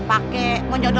dia pake kondisi